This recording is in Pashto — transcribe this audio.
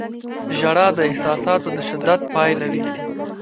• ژړا د احساساتو د شدت پایله وي.